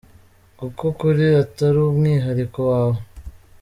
Kuko ukuri atari umwihariko wawe !